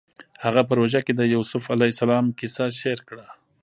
هغه په روژه کې د یوسف علیه السلام کیسه شعر کړه